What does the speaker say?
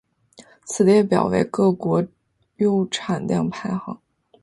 此列表为各国铀产量排行。